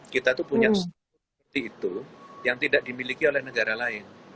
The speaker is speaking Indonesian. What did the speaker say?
kita itu punya setiap daerah itu yang tidak dimiliki oleh negara lain